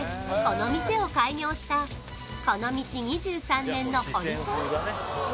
この店を開業したこの道２３年の堀さん